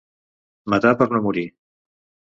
Matar per no morir.